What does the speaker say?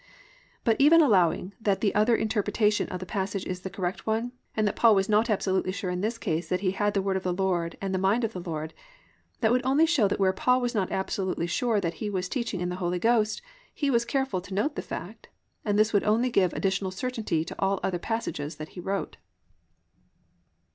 But even allowing that the other interpretation of this passage is the correct one, and that Paul was not absolutely sure in this case that he had the Word of the Lord and the mind of the Lord, that would only show that where Paul was not absolutely sure that he was teaching in the Holy Ghost he was careful to note the fact, and this would only give additional certainty to all other passages that he wrote.